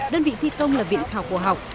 đơn vị thi công là viện khảo cổ học